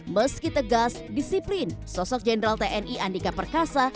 meski tegas disiplin sosok jenderal tni andika perkasa